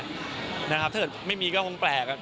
นะครับถ้าเกิดไม่มีก็คงแปลก